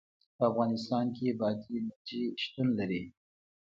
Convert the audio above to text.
په افغانستان کې بادي انرژي شتون لري.